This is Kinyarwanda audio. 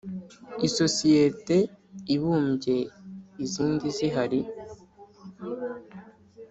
Isosiyete ibumbye izindi zihari.